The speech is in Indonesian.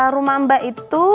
rumah mbak itu